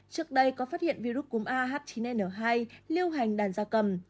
trước đây có phát hiện virus cúm a h chín n hai lưu hành đàn gia cầm